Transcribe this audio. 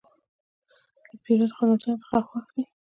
د پیرود خدمتونه د خلکو خوښ دي.